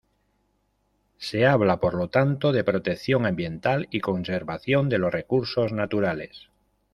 Se habla por lo tanto de protección ambiental y conservación de los recursos naturales.